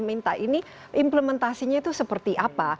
minta ini implementasinya itu seperti apa